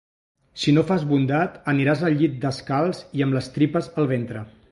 Si no fas bondat, aniràs al llit descalç i amb les tripes al ventre.